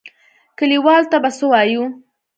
کليوالو ته به څه وايو؟